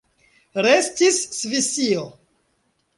Restis Svisio.